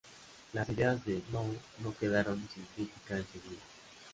Las ideas de Snow no quedaron sin crítica enseguida.